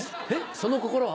その心は？